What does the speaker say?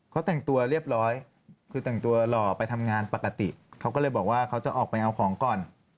เขาแต่งตัวเรียบร้อยคือแต่งตัวหล่อไปทำงานปกติเขาก็เลยบอกว่าเขาจะออกไปเอาของก่อน